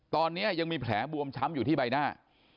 ตอนนี้ยังมีแผลบวมช้ำอยู่ที่ใบหน้า